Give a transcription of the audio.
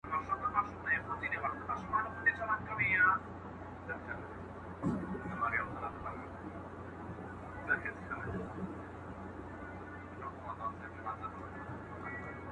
ادبي دربار د علمي او ادبي پرمختګ په لاره کې مهم بنسټ ګڼل کېده.